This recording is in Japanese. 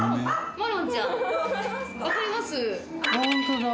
マロンちゃん。